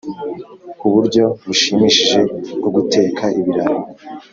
uburyo bushimishije bwo guteka ibirayi